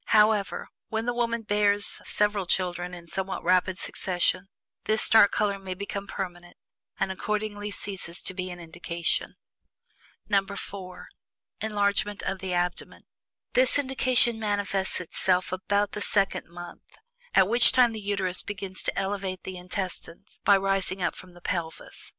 However, when the woman bears several children in somewhat rapid succession, this dark color may become permanent and accordingly ceases to be an indication. (4) ENLARGEMENT OF THE ABDOMEN. This indication manifests itself about the second month, at which time the Uterus begins to elevate the intestines by rising up from the pelvis.